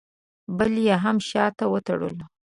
بل یې هم شاته وتړلو.